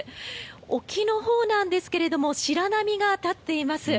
沖のほうなんですけど白波が立っています。